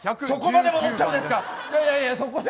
そこまで戻っちゃうんですか。